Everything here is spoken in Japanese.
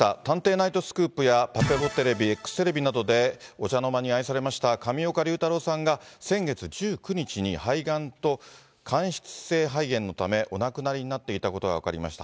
ナイトスクープやパペポテレビ、エックステレビなどでお茶の間に愛されました上岡龍太郎さんが、先月１９日に肺がんと間質性肺炎のため、お亡くなりになっていたことが分かりました。